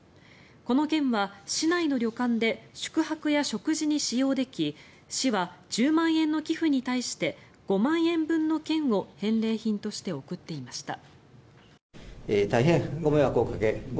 この券は、市内の旅館で宿泊や食事に使用でき市は１０万円の寄付に対して５万円分の券を返礼品として送っていました。